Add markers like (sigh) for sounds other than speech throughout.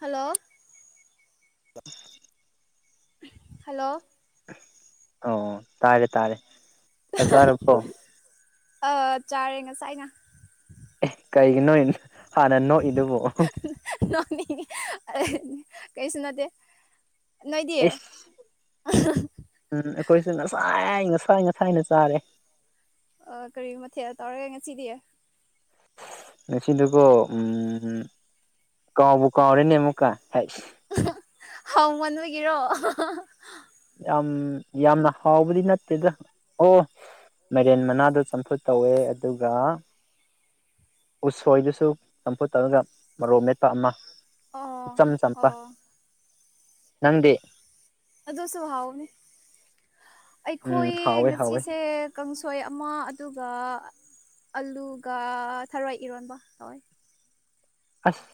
Hello ꯑ hello ꯑꯣ ꯇꯥꯔꯦ ꯇꯥꯔꯦ ꯆꯥꯛ ꯆꯥꯔꯕꯣ꯫ ꯑꯥ ꯆꯥꯔꯦ ꯉ ꯁꯥꯏ ꯉ ꯀꯩꯒꯤꯅꯣꯅ ꯍꯥꯟꯅ ꯅꯣꯛꯏꯗꯨꯕꯣ ꯀꯩꯁꯨ ꯅꯠꯇ ꯏꯁ ꯎꯝ ꯀꯣꯏꯁꯁꯥꯏ ꯍ ꯉ ꯁꯥꯏ ꯉ ꯁꯥꯏꯅ ꯆꯥꯔꯦ ꯑ ꯀꯔꯤ ꯃꯊꯦꯜ ꯇꯧꯔꯒ ꯉꯁꯤꯗꯤꯌꯦ ꯁꯤꯤꯟꯗꯨꯀ ꯎꯝ ꯀꯥꯎꯥꯎꯕꯣ ꯀꯥꯎꯔ ꯅꯦꯝꯦꯝꯀ ꯍ ꯍꯥꯎ ꯃꯟ ꯑꯣꯏꯒꯤꯔꯣ ꯌꯥꯝ ꯌꯥꯝꯅ ꯍꯥꯎꯕꯗꯤ ꯅꯠꯇꯦꯗ ꯑꯣ (inaudible) ꯃꯔꯦꯟ ꯃꯅꯥꯗ ꯆꯝꯐꯨꯠ ꯇꯧꯋꯦ ꯑꯗꯨꯒ ꯎꯁꯣꯏꯗꯨꯁꯨ ꯆꯝꯐꯨꯠ ꯇꯧꯔꯒ ꯃꯔꯣꯛ ꯃꯦꯠꯄ ꯑꯃ ꯑꯣ ꯑꯣ ꯅꯗꯤ ꯑꯗꯣ ꯁꯍꯥꯎꯅꯦ ꯎꯝ ꯑꯩꯈꯣꯏ ꯍꯥꯎꯋꯦ ꯍꯥꯎꯋꯦ ꯉꯁꯤꯁꯦ ꯀꯥꯡꯁꯣꯏ ꯑꯃ ꯑꯗꯨꯒ ꯑꯂꯨꯒ ꯊꯔꯏ ꯏꯔꯣꯟꯕ ꯍꯣꯏ ꯑꯁ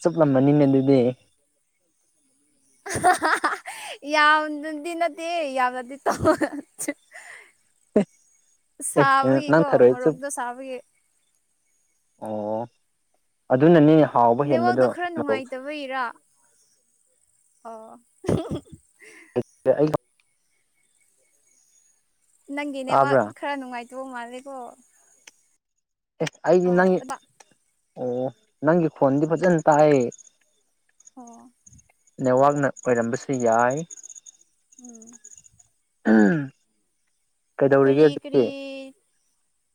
ꯆꯨꯞꯂꯝꯕꯅꯤꯅꯦ ꯑꯗꯨꯗꯤ (inaudible) (unintelligible) ꯌꯥꯝ ꯅꯗꯤ ꯅꯠꯇꯦ ꯌꯥꯝ ꯅꯗꯤ ꯇ ꯑꯦ ꯅꯪ ꯁꯥꯕꯒꯤꯀꯣ ꯊꯔꯣꯏ ꯆꯨꯞ ꯃꯣꯔꯣꯛꯗꯣ ꯁꯥꯕꯒꯤ ꯑꯣ ꯑꯗꯨꯅꯅꯦ ꯅꯦꯠꯋꯥꯛꯗꯣ ꯈꯔ ꯅꯨꯡꯉꯥꯏꯇꯕ ꯏꯔꯥ ꯑꯣ ꯑꯩꯅ ꯅꯪꯒꯤꯅꯦ ꯋꯥ ꯈꯔ ꯅꯨꯡꯉꯥꯏꯇꯧꯕ ꯃꯥꯜꯂꯦꯀꯣ ꯑꯦꯁ ꯑꯩꯗꯤ ꯑꯣ ꯅꯪꯒꯤ ꯑꯗ ꯑꯣ ꯅꯪꯒꯤ ꯐꯣꯟꯗꯤ ꯐꯖꯅ ꯇꯥꯛ ꯑꯣ ꯅꯦꯠꯋꯥꯛꯅ ꯑꯣꯏꯔꯝꯕꯁꯨ ꯌꯥꯏ ꯎꯝ ꯎ ꯀꯩꯗꯧꯔꯤꯒꯦ ꯀꯔꯤ ꯍꯧꯖꯤꯛꯇꯤ ꯀꯔꯤ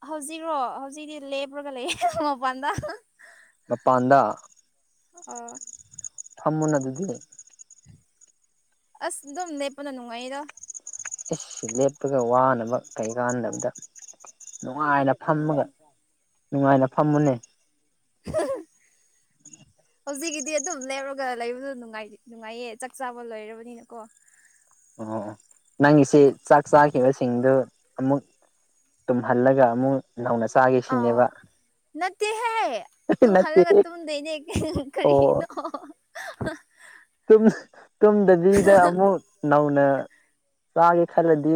ꯍꯧꯖꯤꯛꯔꯣ ꯍꯧꯖꯤꯛꯤ ꯂꯦꯞꯄ꯭ꯔꯒ ꯂꯩꯦ ꯃꯄꯥꯟꯗ ꯃꯄꯥꯟꯗ ꯑꯣ ꯐꯃꯟ ꯑꯗꯨꯗꯤ ꯑꯁ ꯑꯗꯨꯝ ꯂꯦꯞꯄꯅ ꯅꯨꯡꯉꯥꯏꯗ ꯏꯁ ꯂꯦꯞꯄꯒ ꯋꯥꯅꯕ ꯀꯩ ꯀꯥꯟꯗꯕꯗ ꯅꯨꯡꯉꯥꯏꯅ ꯑꯣ ꯐꯝꯃꯒ ꯅꯨꯡꯉꯥꯏꯅ ꯐꯝꯃꯨꯅꯦ ꯍꯍꯍ ꯍꯧꯖꯤꯛꯀꯤꯗꯤ ꯑꯗꯨꯝ ꯂꯦꯞꯄꯒ ꯂꯩꯕꯗꯨ ꯅꯨꯡꯉꯥꯏꯌꯦ ꯆꯥꯛ ꯆꯥꯕ ꯂꯣꯏꯔꯕꯅꯤꯅꯀꯣ ꯑꯣ ꯑꯣ ꯅꯪꯒꯤꯁꯤ ꯆꯥꯛ ꯆꯥꯈꯤꯕꯁꯤꯡꯗꯨ ꯑꯃꯨꯛ ꯇ ꯍꯜꯂꯒ ꯑꯃꯨ ꯑꯥ ꯇꯥꯒꯦꯁꯤꯅꯦꯕ ꯅꯠꯇꯦꯍꯦ ꯇꯨꯝꯍꯜꯂꯒ ꯇꯨꯝꯗꯣꯢꯅꯦ ꯀ ꯑꯣ ꯀꯔꯤꯅ ꯑ ꯍ ꯇꯨꯝꯗꯕꯤꯗ ꯑꯃꯨꯛ ꯅꯧꯅ ꯆꯥꯒꯦ ꯈꯂꯗꯤ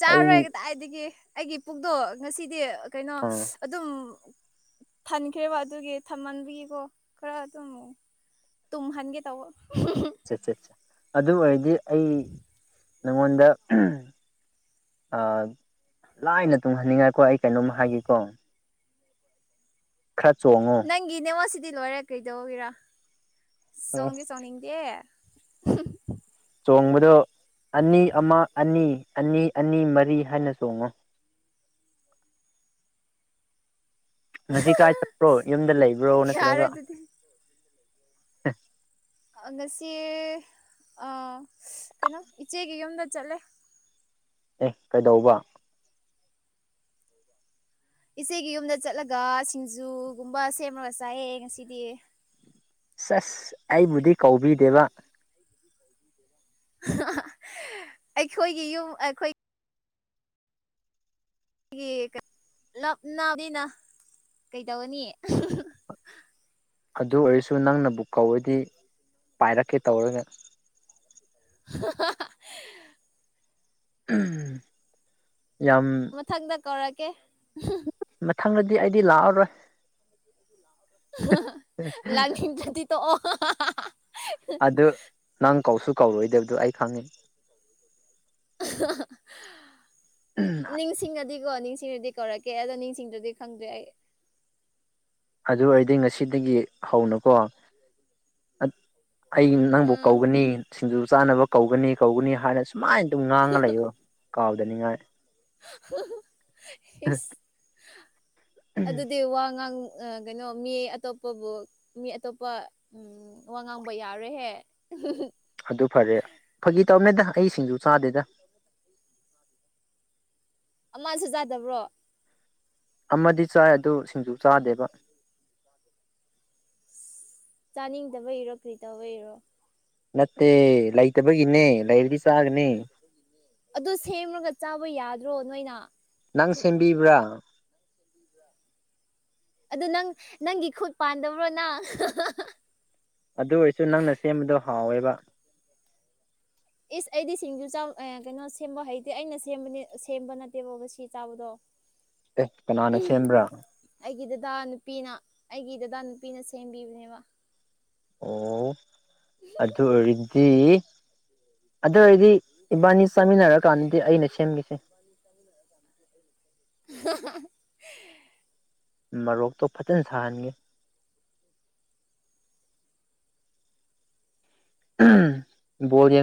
ꯆꯥꯔꯣꯏ ꯀꯗꯥꯏꯗꯒꯤ ꯑꯩꯒꯤ ꯄꯨꯛꯇꯣ ꯉꯁꯤꯗꯤ ꯀꯩꯅꯣ ꯑꯥ ꯑꯗꯨꯝ ꯊꯟꯈ꯭ꯔꯦꯕ ꯑꯗꯨꯒꯤ ꯊꯝꯃꯟꯕꯒꯤꯀꯣ ꯈꯔ ꯑꯗꯨꯝꯃꯛ ꯇꯨꯝꯍꯟꯒꯦ ꯇꯧꯕ ꯁꯠ ꯁꯠ ꯑꯗꯨ ꯑꯣꯏꯔꯗꯤ ꯑꯩ ꯅꯪꯉꯣꯟꯗ ꯂꯥꯏꯅ ꯇꯨꯡꯍꯟꯅꯤꯡꯉꯥꯏꯀꯣ ꯑꯩ ꯀꯩꯅꯣꯝ ꯍꯥꯏꯒꯦꯀꯣ ꯈꯔ ꯆꯣꯡꯉꯣ ꯅꯪꯒꯤ ꯅꯦꯉꯣꯁꯤꯗꯤ ꯂꯣꯏꯔꯦ ꯀꯩꯗꯧꯒꯤꯔ ꯆꯣꯡꯗꯦ ꯆꯣꯡꯅꯤꯡꯗꯦ ꯑ ꯍ ꯆꯣꯡꯕꯗꯣ ꯑꯅꯤ ꯑꯃ ꯑꯅꯤ ꯑꯅꯤ ꯑꯅꯤ ꯃꯔꯤ ꯍꯥꯏꯅ ꯆꯣꯡꯉꯨ ꯉꯁꯤ ꯀꯥꯏ ꯆꯠꯄ꯭ꯔꯣ ꯌꯨꯝꯗ ꯂꯩꯕ꯭ꯔꯣ ꯌꯥꯔꯣꯏ ꯅꯠꯇ꯭ꯔꯒ ꯎ ꯑꯗꯨꯗꯤ ꯉꯁꯤ ꯑ ꯀꯩꯅꯣ ꯏꯆꯦꯒꯤ ꯌꯨꯝꯗ ꯆꯠꯂꯦ ꯑꯦ ꯀꯩꯗꯧꯕ ꯏꯆꯦꯒꯤ ꯌꯨꯝꯗ ꯆꯠꯂꯒ ꯁꯤꯡꯖꯨꯒꯨꯝꯕ ꯁꯦꯝꯃꯒ ꯆꯥꯏꯑ ꯉꯁꯤꯗꯤ ꯆꯁ ꯑꯩꯕꯨꯗꯤ ꯀꯧꯕꯤꯗꯦꯕ ꯑꯩꯈꯣꯏꯒꯤ ꯌꯨꯝ ꯑꯩꯈꯣꯏ ꯑꯩꯒꯤꯞꯅ ꯀꯩ ꯇꯧꯅꯤ ꯑꯗꯨ ꯑꯣꯏꯔꯁꯨ ꯅꯪꯅꯕꯨꯛ ꯀꯧꯔꯗꯤ ꯄꯥꯏꯔꯛꯀꯦ ꯇꯧꯔꯒ ꯑꯍꯥꯍꯥ ꯍꯨ ꯌꯥꯝ ꯃꯊꯪꯗ ꯀꯧꯔꯛꯀꯦ ꯃꯊꯪꯗꯗꯤ ꯑꯩꯗꯤ ꯂꯥꯛꯑꯔꯣꯏ ꯂꯥꯛꯅꯤꯡꯗ꯭ꯔꯗꯤ ꯇꯣꯛꯑꯣ ꯑꯗꯨ ꯅꯪ ꯀꯧꯁꯨ ꯀꯧꯔꯣꯏꯗꯕꯗꯣ ꯑꯩ ꯈꯪꯉꯤ ꯅꯤꯡꯁꯤꯡ ꯑꯗꯤ ꯑꯩ ꯅꯤꯡꯁꯤꯡꯗꯨꯗꯤ ꯀꯧꯔꯛꯀꯦ ꯑꯗꯣ ꯅꯤꯡꯁꯤꯡꯗꯨꯗꯤ ꯈꯪꯗꯦ ꯑꯩ ꯑꯗꯨ ꯑꯣꯏꯔꯗꯤ ꯉꯁꯤꯗꯒꯤ ꯍꯧꯅꯀꯣ ꯑꯩ ꯅꯪꯕꯨ ꯎꯝ ꯀꯧꯒꯅꯤ ꯁꯤꯡꯖꯨ ꯆꯥꯅꯕ ꯀꯧꯒꯅꯤ ꯀꯧꯒꯅꯤ ꯍꯥꯏꯅꯁꯨ ꯃꯥꯏꯅ ꯑꯗꯨꯝ ꯉꯥꯡꯉ ꯂꯩꯌꯣ ꯀꯥꯎꯗꯅꯤꯡꯉꯥꯏ ꯑꯗꯨꯗꯤ ꯏꯁ ꯋꯥ ꯉꯥꯡ ꯀꯩꯅꯣ ꯃꯤ ꯑꯇꯣꯞꯄꯕꯨ ꯃꯤ ꯑꯇꯣꯞꯄ ꯋꯥ ꯉꯥꯡꯕ ꯌꯥꯔꯣꯢꯍꯦ ꯑꯗꯨ ꯐꯔꯦ ꯐꯥꯒꯤ ꯇꯧꯃꯦꯗ ꯑꯩ ꯁꯤꯡꯖꯨ ꯆꯥꯗꯦꯗ ꯑꯃꯁꯨ ꯆꯥꯗꯕ꯭ꯔꯣ ꯑꯃꯗꯤ ꯆꯥꯏ ꯑꯗꯨ ꯁꯤꯡꯖꯨ ꯆꯥꯗꯦꯕ ꯆꯥꯅꯤꯡꯗꯕ ꯏꯔꯣ ꯀꯔꯤ ꯇꯧꯕ ꯏꯔꯣ ꯅꯠꯇꯦ ꯂꯩꯇꯕꯒꯤ ꯏꯅꯦ ꯂꯩꯔꯗꯤ ꯆꯥ ꯑꯗꯨ ꯁꯦꯝꯃꯒ ꯆꯥꯕ ꯌꯥꯗ꯭ꯔꯣ ꯅꯣꯏꯅ ꯅꯪ ꯁꯦꯝꯕꯤꯕ꯭ꯔꯥ ꯑꯗꯨ ꯅꯪ ꯅꯪꯒꯤ ꯈꯨꯠ ꯄꯥꯟꯗꯕ꯭ꯔꯣ ꯅ ꯑꯗꯨ ꯑꯣꯏꯔꯁꯨ ꯅꯪꯅ ꯁꯦꯝꯕꯗꯣ ꯍꯥꯎꯋꯦꯕ ꯏꯁ ꯑꯩꯗꯤ ꯁꯤꯡꯖꯨ ꯀꯩꯅꯣ ꯁꯦꯝꯕ ꯍꯩꯇꯦ ꯑꯩꯅ ꯁꯦꯝꯕꯅꯦ ꯁꯦꯝꯕ ꯅꯠꯇꯦꯕꯕ ꯁꯤ ꯆꯥꯕꯗꯣ ꯑꯦ ꯀꯅꯥꯅ ꯁꯦꯝꯕ꯭ꯔꯥ ꯑꯩꯒꯤ ꯗꯗꯥ ꯅꯨꯄꯤꯅ ꯑꯩꯒꯤ ꯗꯗꯥ ꯅꯨꯄꯤꯅ ꯁꯦꯝꯕꯤꯕꯅꯦꯕ ꯑꯣ ꯑꯗꯨ ꯑꯣꯏꯔꯗꯤ ꯑꯗꯨ ꯑꯣꯏꯗꯤ ꯏꯕꯥꯅꯤ ꯆꯥꯃꯤꯟꯅꯔꯀꯥꯟꯗꯗꯤ ꯑꯩꯅ ꯁꯦꯝꯈꯤꯁꯦ ꯃꯔꯣꯔꯣꯛꯇꯣ ꯐꯖꯅ ꯁꯥꯍꯟꯒꯦ ꯕꯗꯤ ꯌꯦ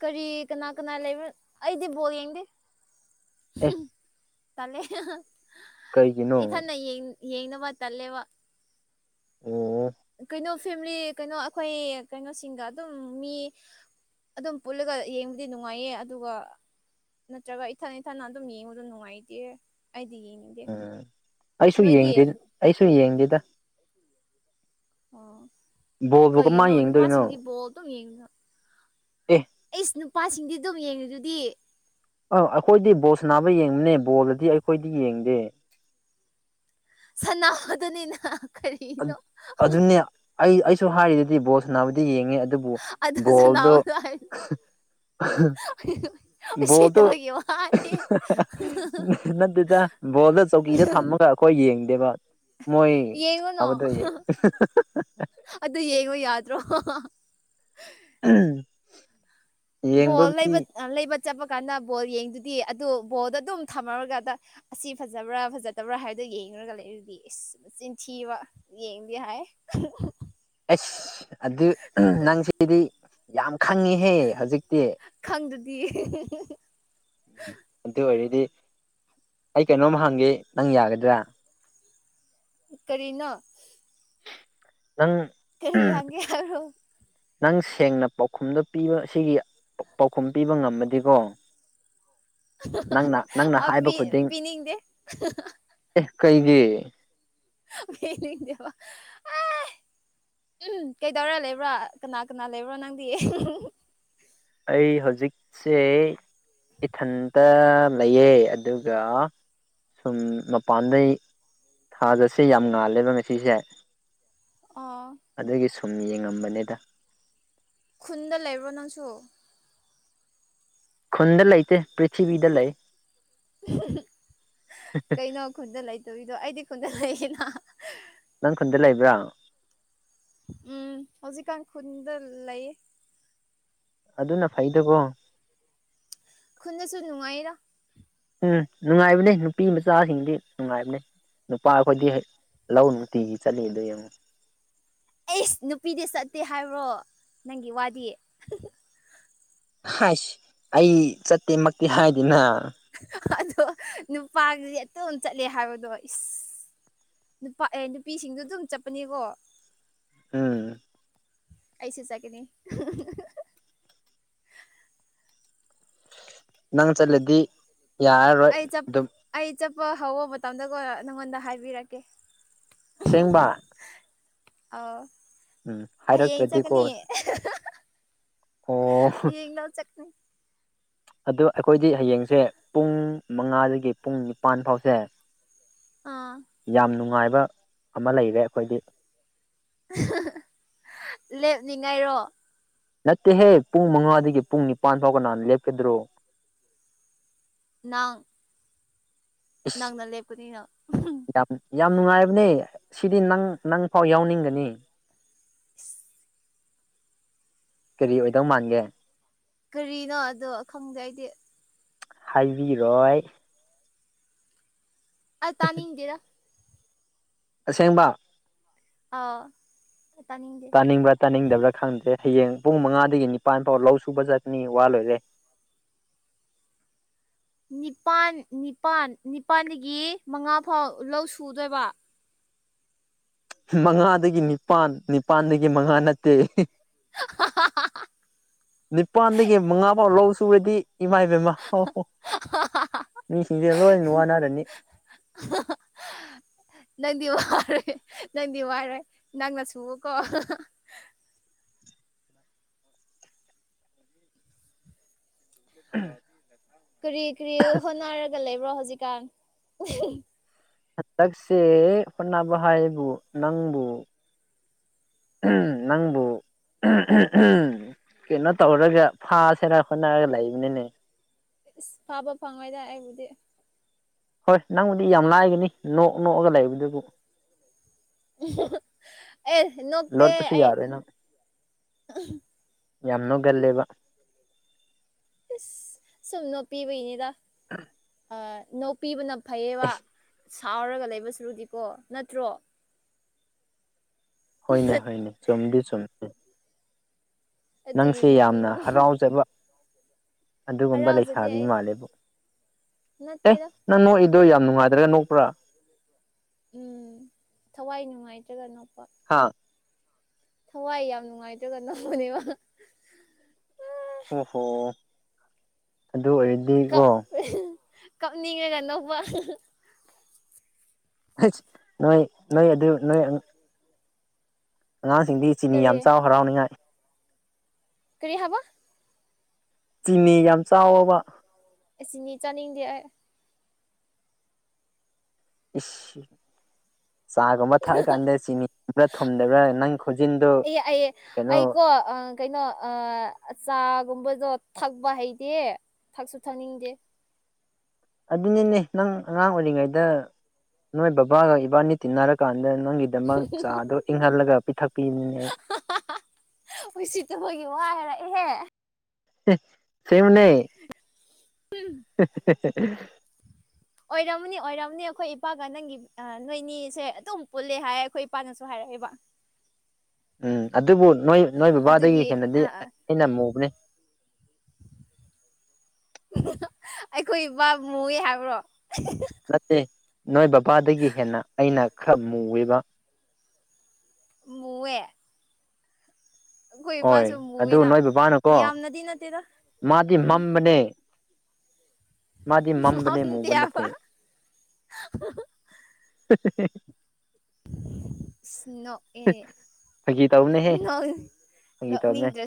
ꯀꯔꯤ ꯀꯅꯥ ꯀꯅꯥ ꯂꯩꯕ ꯑꯩꯗꯤ ꯕꯣꯜ ꯌꯦꯡꯗꯦ ꯑꯦ ꯇꯂꯦ ꯀꯩꯒꯤꯅꯣ ꯌꯦꯡꯅꯕ ꯇꯜꯂꯦꯕ ꯑꯣ ꯀꯩꯅꯣ ꯐꯦꯃꯤꯂꯤ ꯀꯩꯅꯣ ꯑꯩꯈꯣꯏ ꯀꯩꯅꯣꯁꯤꯡꯗ ꯑꯗꯨꯝ ꯃꯤ ꯑꯗꯨꯝ ꯄꯨꯜꯂꯒ ꯌꯦꯡꯕꯗꯤ ꯅꯨꯡꯉꯥꯏꯌꯦ ꯑꯗꯨꯒ ꯅꯠꯇ꯭ꯔꯒ ꯏꯊꯟ ꯏꯊꯟ ꯑꯗꯨꯝ ꯌꯦꯡꯕꯗ ꯅꯨꯡꯉꯥꯏꯇꯦ ꯑꯩꯗꯤ ꯌꯦꯡꯅꯤꯡꯗꯦ ꯎꯝ ꯑꯩꯁꯨ ꯅꯣꯏꯗꯤ ꯌꯦꯡꯗꯦ ꯑꯩꯁꯨ ꯌꯦꯡꯗꯦꯗ ꯑꯣ ꯕꯣꯜꯕꯨ ꯀꯩꯒꯤꯅꯣ ꯀꯃꯥꯏꯅ ꯌꯦꯡꯗꯣꯏꯅꯣ ꯅꯨꯄꯥꯁꯤꯡꯗꯤ ꯕꯣꯜ ꯑꯗꯨꯝ ꯌꯦꯡꯉꯅ ꯑꯦ ꯑꯦꯁ ꯅꯨ ꯅꯨꯄꯥꯁꯤꯡꯗꯤ ꯑꯗꯨꯝ ꯌꯦꯡꯉꯦ ꯑꯗꯨꯗꯤ ꯑꯥ ꯑꯩꯈꯣꯏꯗꯤ ꯕꯣꯜꯁ ꯅꯥꯕ ꯌꯦꯡꯕꯅꯦ ꯕꯣꯜꯗꯗꯤ ꯑꯩꯈꯣꯏꯗꯤ ꯌꯦꯡꯗꯦ ꯁꯅꯕꯗꯨꯅꯤꯅ ꯑꯗꯨꯅꯦ ꯑꯩ ꯑꯩꯁꯨ ꯍꯥꯏꯔꯤꯗꯨꯗꯤ ꯕꯣꯁ ꯅꯥꯕꯨꯗꯤ ꯌꯦꯡꯉꯤ ꯗꯨꯕꯨ ꯑꯗꯨ ꯕꯣꯜꯗꯣ ꯁꯅꯥꯕꯗꯣ ꯕꯣꯜꯇꯣ ꯎꯁꯤꯠꯇꯕꯒꯤ ꯋꯥꯅꯤ ꯅꯠꯇꯗ ꯕꯣꯜꯗ ꯆꯧꯀꯤꯗ ꯊꯝꯃꯒ ꯑꯩꯈꯣꯏ ꯌꯦꯡꯉ ꯌꯦꯡꯉꯨꯅꯣ ꯌꯦꯡ ꯑꯗꯨ ꯌꯦꯡꯉꯣ ꯌꯥꯗ꯭ꯔ ꯔꯣ ꯎꯝ ꯕꯣ ꯂꯩꯕ ꯂꯩꯕ ꯆꯠꯄ ꯀꯥꯟꯗ ꯕꯣꯜ ꯌꯦꯡꯗꯨꯗꯤ ꯑꯗꯨ ꯕꯣꯜꯗꯣ ꯑꯗꯨꯝ ꯊꯝꯃꯔꯒꯥꯟꯗ ꯑꯁꯤ ꯐꯖꯕ꯭ꯔꯥ ꯐꯖꯗꯕ꯭ꯔꯥ ꯍꯥꯏꯗꯨ ꯌꯦꯡꯉꯨꯔꯒꯂ ꯑꯗꯨꯗꯤ ꯏꯁ ꯆꯤꯟꯊꯤꯕ ꯌꯦꯡꯗꯦ ꯍꯥꯏ ꯑꯁ ꯑꯗꯨ ꯅꯪꯁꯤꯗꯤ ꯌꯥꯝ ꯈꯪꯉꯤꯍꯦ ꯍꯧꯖꯤꯛꯇꯤ ꯑꯗꯨꯗꯤ ꯑꯗꯨ ꯑꯣꯏꯔꯗꯤ ꯑꯩ ꯀꯩꯅꯣꯝ ꯍꯪꯒꯦ ꯅꯪ ꯌꯥꯒꯗ꯭ꯔꯥ ꯀꯔꯤꯅꯣ ꯅꯪ ꯑꯦꯔꯤꯌꯥꯦ (unintelligible) ꯑꯣ ꯅꯪ ꯁꯦꯡꯅ ꯄꯥꯎꯈꯨꯝꯗꯣ ꯄꯤꯕ ꯁꯤꯒꯤ ꯄꯥꯎꯈꯨꯝ ꯄꯤꯕ ꯉꯝꯃꯗꯤꯀꯣ ꯅꯪꯅ ꯅꯪꯅ ꯑ ꯍꯥꯏꯕ ꯄ ꯈꯨꯗꯤꯡ ꯄꯤꯅꯤꯡꯗꯦ ꯑꯦ ꯀꯩꯒꯤ (inaudible) ꯎꯝ ꯀꯩꯗꯧꯔ ꯂꯩꯕ꯭ꯔꯥ ꯀꯅꯥ ꯀꯅꯥ ꯂꯩꯕ꯭ꯔꯣ ꯅꯪꯗꯤ ꯑꯩ ꯍꯧꯖꯤꯛꯁꯦ ꯏꯊꯟꯇ ꯂꯩꯑ ꯑꯗꯨꯒ ꯁꯨꯝ ꯃꯄꯥꯟꯗꯩ ꯊꯥꯖꯁꯦ ꯌꯥꯝ ꯉꯥꯜꯂꯦꯕ ꯉꯁꯤꯁꯦ ꯑꯣ ꯑꯗꯨꯒꯤ ꯁꯨꯝ ꯌꯦꯡꯉꯝꯕꯅꯦꯗ ꯈꯨꯟꯗ ꯂꯩꯕ ꯅꯪꯁꯨ ꯈꯨꯟꯗ ꯂꯩꯇꯦ ꯄ꯭ꯔꯤꯊꯤꯕꯤꯗ ꯂꯩ ꯀꯩꯅꯣ ꯈꯨꯟꯗ ꯂꯩꯇꯣꯔꯤꯗꯣ ꯑꯩꯗꯤ ꯈꯨꯟꯗ ꯂꯩꯌꯦꯅ ꯅꯪ ꯈꯨꯟꯗ ꯂꯩꯕ꯭ꯔꯥ ꯎꯝ ꯍꯧꯖꯤꯛꯀꯥꯟ ꯈꯨꯟꯗ ꯂꯩꯌꯦ ꯑꯗꯨꯅ ꯐꯩꯗꯀꯣ ꯅ ꯁꯅꯅꯨꯡꯉꯗ ꯎꯝ ꯅꯨꯡꯉꯥꯏꯕꯅꯦ ꯅꯨꯄꯤ ꯃꯆꯥꯁꯤꯡꯗꯤ ꯅꯨꯡꯉꯥꯏꯕꯅꯦ ꯅꯨꯄꯥ ꯑꯩꯈꯣꯏꯗꯤꯦꯛ ꯂꯧ ꯅꯨꯡꯇꯤꯒꯤ ꯆꯠꯂꯤ ꯑꯗꯨꯣ ꯌꯦꯡꯉꯣ ꯑꯩꯁ ꯅꯨꯄꯤꯗꯤ ꯆꯠꯇꯦ ꯍꯥꯏꯕ꯭ꯔꯣ ꯅꯪꯒꯤ ꯋꯥꯗꯤ ꯍꯥꯏꯁ ꯑꯩ ꯆꯠꯇꯦꯃꯛꯇꯤ ꯍꯥꯏꯗꯅ ꯑꯣ ꯅꯨꯄꯥꯒꯤꯗꯤ ꯑꯇꯝ ꯆꯠꯂꯦ ꯍꯥꯏꯕꯗꯣ ꯏꯁ ꯅꯨꯄꯥ ꯑꯦ ꯅꯨꯄꯤꯁꯤꯡꯗꯣ ꯑꯗꯨꯝ ꯆꯠꯄꯅꯦꯀꯣ ꯎꯝ ꯑꯩꯁꯤ ꯆꯒꯅꯤ ꯅꯪ ꯆꯠꯂꯗꯤ ꯌꯥꯔꯔꯣꯏ ꯑꯩ ꯆꯠ ꯑꯗꯨꯝ ꯑꯩ ꯆꯠꯄ ꯍꯧꯕ ꯃꯇꯝꯗꯒ ꯅꯪꯉꯣꯟꯗ ꯍꯥꯏꯕꯤꯔꯛꯀꯦ ꯑꯁꯦꯡꯕ ꯑ ꯎꯝ ꯍꯌꯦ ꯍꯥꯏꯔꯛꯇ꯭ꯔꯗꯤꯀꯣ ꯆꯒꯅꯤ ꯑꯣ ꯌꯦ ꯆꯠꯅꯤ ꯑ ꯑꯩꯈꯣꯏꯗꯤ ꯍꯌꯦꯡꯁꯦ ꯄꯨꯡ ꯃꯉꯥꯗꯒꯤ ꯄꯨꯡ ꯅꯤꯄꯥꯟ ꯐꯥꯎꯁꯦ ꯑꯥ ꯍꯥꯏ ꯑꯃ ꯂꯩꯔꯦ ꯑꯩꯈꯣꯏꯗꯤ ꯂꯦꯞꯅꯤꯡꯉꯥꯏꯔꯣ ꯅꯠꯇꯦꯍꯦ ꯄꯨꯡ ꯃꯉꯥꯗꯒꯤ ꯄꯨꯡ ꯅꯤꯄꯥꯜ ꯐꯥꯎꯕꯅꯍ ꯂꯦꯞꯀꯗ꯭ꯔꯣ ꯅ ꯅ ꯏꯁ ꯅꯅꯥꯦ ꯄꯨꯗꯤꯅ ꯌꯥꯝ ꯌꯥꯝ ꯅꯨꯡꯉꯥꯏꯕꯅꯦ ꯁꯤꯗꯤ ꯅꯪ ꯅꯪ ꯐꯥꯎ ꯌꯥꯎꯅꯤꯡꯒꯅꯤ ꯀꯔꯤ ꯑꯣꯏꯗꯧ ꯃꯥꯟꯒꯦ ꯀꯔꯤꯅꯣ ꯑꯗꯣ ꯈꯪꯗꯦ ꯑꯩꯗꯤ ꯍꯥꯏꯕꯤꯔꯣꯏ ꯑ ꯇꯅꯤꯗꯦꯔ ꯑꯁꯦꯡꯕ ꯑꯥ ꯇꯥꯅꯤꯡꯗꯦ ꯇꯥꯅꯤꯡꯕ꯭ꯔꯥ ꯇꯥꯅꯤꯡꯗꯕ꯭ꯔꯥ ꯈꯪꯗꯦ ꯍꯌꯦꯡ ꯄꯨꯡ ꯃꯉꯥꯗꯒꯤ ꯅꯤꯄꯥꯟ ꯐꯥꯎ ꯂꯧ ꯁꯨꯕ ꯆꯠꯅꯤ ꯋꯥ ꯂꯣꯏꯔꯦ (inaudible) ꯅꯤꯄꯥꯜ ꯅꯤꯄꯥꯜ ꯅꯤꯄꯥꯜꯗꯒꯤ ꯃꯉꯥ ꯐꯥꯎ ꯂꯧ ꯁꯨꯗꯣꯏꯕ ꯃꯉꯥꯗꯒꯤ ꯅꯤꯄꯥꯜ ꯅꯤꯄꯥꯜꯗꯒꯤ ꯃꯉꯥ ꯅꯠꯇꯦ (inaudible) ꯅꯤꯄꯥꯜꯗꯒꯤ ꯃꯉꯥꯐꯥꯎ ꯂꯧ ꯁꯨꯔꯗꯤ ꯏꯃꯥ ꯏꯕꯦꯝꯃ ꯃꯤ ꯁꯤꯗꯒ ꯅꯨꯅꯨꯡꯋꯥꯅꯥꯔꯅꯤ ꯅꯗꯤ ꯋꯥ ꯅꯪꯗꯤ ꯋꯥꯏꯔꯣꯏ ꯅꯪꯅ ꯁꯨꯎꯀꯣ (inaudible) ꯀꯔꯤ ꯀꯔꯤ ꯍꯣꯠꯅꯔꯒ ꯂꯩꯕ꯭ꯔꯣ ꯍꯧꯖꯤꯛꯀꯥꯟ ꯍꯟꯇꯛꯁꯦ ꯍꯣꯠꯅꯕ ꯍꯥꯏ ꯍꯥꯏꯕꯨ ꯅꯪꯕꯨ ꯅꯪꯕꯨ ꯎꯝ ꯀꯩꯅꯣ ꯇꯧꯔꯒ ꯐꯁꯦꯅ ꯍꯣꯠꯅꯔꯒ ꯂꯩꯕꯅꯤꯅꯦ ꯏꯁ ꯐꯥꯕ ꯐꯪꯉꯣꯏꯗ ꯑꯩꯕꯨꯗꯤ ꯍꯣꯏ ꯅꯪꯕꯨꯗꯤ ꯌꯥꯝ ꯂꯥꯏꯒꯅꯤ ꯅꯣꯛ ꯅꯣꯛꯑꯒ ꯂꯩꯕꯗꯨꯕꯨ ꯑꯦ ꯅꯣꯛꯇ ꯂꯣꯠꯄꯁꯨ ꯑꯩ ꯌꯥꯔꯣꯏ ꯅꯪ ꯌꯥꯝ ꯂꯨꯒꯜꯂꯦꯕ ꯏꯁ ꯁꯨꯝ ꯅꯣꯄꯤꯕꯩꯅꯤꯗ ꯑ (inaudible) ꯅꫭꯛꯄꯤꯕꯅ ꯐꯩꯌꯦꯕ ꯑꯦ ꯁꯥꯎꯔꯒ ꯂꯩꯕ ꯁꯨꯔꯨꯗꯤꯀꯣ ꯅꯠꯇ꯭ꯔꯣ ꯍꯅꯦ ꯍꯅꯦ ꯆꯝꯗꯤ ꯆꯨꯝꯗꯤ ꯑꯗꯨꯒꯤ ꯅꯪꯁꯦ ꯌꯥꯝꯅ ꯅꯣꯛꯄꯤꯕꯅꯤ ꯍꯔꯥꯎꯖꯕ ꯑꯗꯨꯒꯨꯝꯕ ꯍꯔꯥꯎꯖꯗꯦ ꯂꯩꯁꯥꯕꯤ ꯑꯩ ꯃꯥꯜꯂꯦꯕꯨ ꯑꯦ ꯅꯠꯇꯦꯗ ꯅꯪ ꯅꯣꯛꯏꯗꯣ ꯌꯥꯝ ꯅꯨꯡꯉꯥꯏꯗ꯭ꯔꯒ ꯅꯣꯛꯄ꯭ꯔꯥ ꯎꯝ ꯊꯋꯥꯏ ꯅꯨꯡꯉꯥꯏ ꯍꯥꯥ ꯊꯋꯥꯏ ꯌꯥꯝ ꯅꯨꯡꯉꯥꯏꯇ꯭ꯔꯒ ꯅꯧꯕꯅꯦꯕ ꯍ ꯍꯣ ꯑꯗꯨ ꯑꯣꯏꯗꯤꯀꯣ ꯀꯞꯅꯤꯡꯒ ꯅꯣ ꯅꯣꯏ ꯅꯣꯏ ꯑꯗꯨ ꯅ ꯑꯉꯥꯡꯁꯤꯡꯗꯤ ꯆꯤꯅꯤ ꯀꯔꯤ ꯌꯥꯝ ꯆꯥꯎ ꯍꯔꯥꯎꯅꯤꯉꯥꯏ ꯀꯔꯤ ꯍꯥꯕ ꯆꯤꯅꯤ ꯌꯥꯝ ꯆꯥꯎꯕ ꯑꯁꯤꯅꯤ ꯆꯥꯅꯤꯡꯗꯦ ꯑꯩ ꯑ (inaudible) (unintelligible) ꯆꯥꯒꯨꯝꯕ ꯊꯛꯑꯀꯥꯟꯗ ꯆꯤꯅꯤꯒꯨꯝꯕ꯭ꯔꯥ ꯊꯨꯝꯗꯕ꯭ꯔꯥ ꯅꯪ ꯈꯣꯟꯖꯤꯟꯗꯨ ꯑꯩ ꯑꯩ ꯀꯩꯅꯣ ꯑꯩꯀꯣ ꯀꯩꯅꯣ ꯆꯥꯒꯨꯝꯕ ꯑꯗꯣ ꯊꯛꯄ ꯍꯩꯇꯦ ꯊꯛꯁꯨ ꯊꯛꯅꯤꯡꯗꯦ ꯑꯗꯨꯅꯤꯅꯦ ꯅꯪ ꯑꯉꯥꯡ ꯑꯣꯏꯔꯤꯉꯩꯗ ꯅꯣꯏ ꯕꯕꯥꯒ ꯏꯕꯥꯅꯤ ꯇꯤꯟꯅꯔꯀꯥꯟꯗ ꯅꯪꯒꯤꯗꯃꯛ ꯆꯥꯗꯣ ꯏꯪꯍꯜꯂꯒ ꯄꯤꯊꯛ ꯍ ꯁꯤꯠꯇ ꯃꯣꯏꯒꯤ ꯋꯥꯏ ꯍꯥꯏꯔꯛꯏꯍꯦ ꯁꯤꯃꯤꯅꯦ (unintelligible) (inaudible) ꯑꯣꯏꯔꯝꯃꯅꯤ ꯑꯣꯏꯔꯝꯅꯤ ꯑꯩꯈꯣꯏ ꯏꯄꯥꯒ ꯅꯪꯒꯤ ꯅꯣꯏꯅꯤꯁꯦ ꯑꯗꯨꯝ ꯄꯨꯜꯂꯦ ꯍꯥꯏ ꯑꯩꯈꯣꯏ ꯏꯄꯥꯅꯁꯨ ꯍꯥꯏꯔꯛꯦ ꯇꯔꯕ ꯎꯝ ꯑꯗꯨꯕꯨ ꯅꯣꯏ ꯅꯣꯏ ꯕꯕꯥꯗꯒꯤ ꯍꯦꯟꯅꯗꯤ ꯑꯩꯅ ꯃꯨꯕꯅꯤ ꯑꯩꯈꯣꯏ ꯏꯄꯥ ꯃꯣꯏ ꯍꯥꯏꯕ꯭ꯔꯣ ꯅꯠꯇꯦ ꯅꯣꯏ ꯕꯕꯥꯗꯒꯤ ꯍꯦꯟꯅ ꯑꯩꯅ ꯈꯔ ꯃꯨꯋꯕ ꯃꯦ ꯍꯣꯏ ꯑꯗꯨ ꯃꯨꯑꯦꯅ ꯅꯣꯏ ꯕꯕꯥꯅꯀꯣ ꯌꯥꯝꯅꯗꯤ ꯅꯠꯇꯦꯗ ꯃꯥꯗꯤ ꯎꯝ ꯃꯝꯕꯅꯦ ꯃꯥꯗꯤ ꯃꯝꯕꯅꯦ ꯃꯝꯗꯦ ꯃꯨꯒ ꯍꯥꯏꯕ ꯅꯠꯇꯦ (unintelligible) (inaudible) ꯐꯥꯒꯤ ꯇꯧꯕꯅꯦꯍꯦ ꯐꯥꯒꯤ ꯇꯧꯕꯅꯦ ꯅꯦ